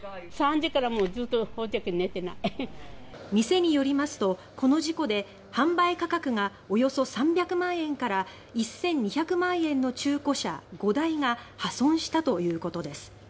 店によりますとこの事故で販売価格がおよそ３００万円から１２００万円の中古車５台が破損したということです。